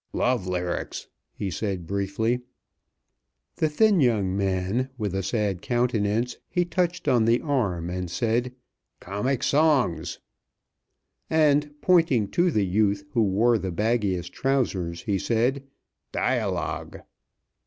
"Love lyrics," he said, briefly. The thin young man with a sad countenance he touched on the arm and said, "Comic songs," and pointing to the youth who wore the baggiest trousers, he said, "Dialogue."